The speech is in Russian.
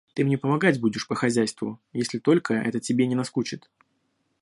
Ты мне помогать будешь по хозяйству, если только это тебе не наскучит.